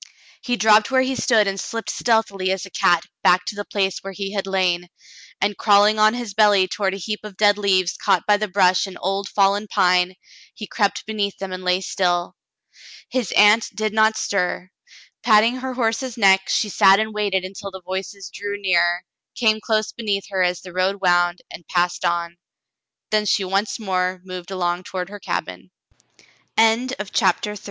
He dropped where he stood and slipped stealthily as a cat back to the place where he had lain, and crawling on his belly toward a heap of dead leaves caught by the brush of an old fallen pine, he crept beneath them and lay still. His aunt did not stir. Patting her horse's neck, she sat and waited until the voices drew nearer, came close beneath her as the road wound, and passed on. Then she once more moved along toward her cabin. CHAPTER IV DAVID SPE